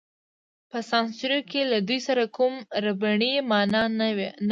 په سان سیرو کې له دوی سره کوم ربړي مانع نه وو.